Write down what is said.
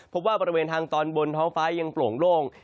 บริเวณทางตอนบนท้องฟ้ายังโปร่งโล่ง